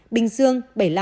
bình dương bảy mươi năm